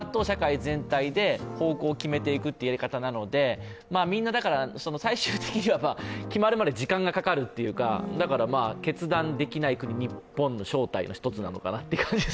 こうやって時間をかけて、じわじわと社会全体で方向を決めていくというやり方なので、最終的には決まるまで時間がかかるというか決断できない国、日本の正体の１つなのかなと。